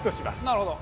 なるほど。